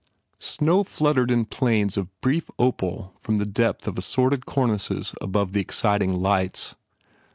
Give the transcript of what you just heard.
Snow fluttered in planes of brief opal from the depth of assorted cornices above the exciting lights.